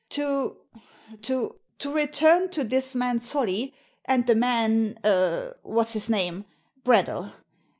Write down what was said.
To— to — ^to return to this man Solly, and the man, eh, what's his name? Bradell